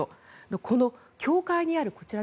この境界にあるこちら